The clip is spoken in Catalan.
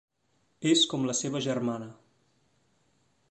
És com la seva germana.